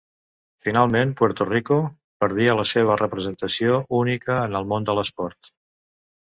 Finalment, Puerto Rico perdria la seva representació única en el món de l'esport.